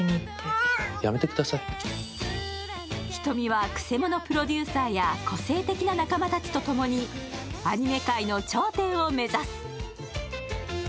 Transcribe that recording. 瞳は、くせ者プロデューサーや個性的な仲間たちと共にアニメ界の頂点を目指す。